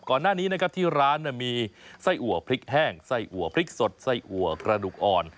ก่อนหน้านี้นะครับที่ร้านมีไส้อัวพริกแห้งไส้อัวพริกสดไส้อัวกระดูกอ่อน